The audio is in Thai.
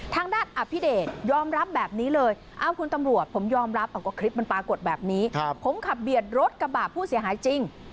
ทางด้านอภิเดชยอมรับแบบนี้เลยคุณตำรวจผมยอมรับว่าคลิปมันปรากฏแบบนี้ผมขับเบียดรถกระบะผู้เสียหายจริง